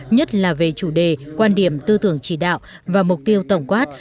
nhất là về chủ đề quan điểm tư tưởng chỉ đạo và mục tiêu tổng quát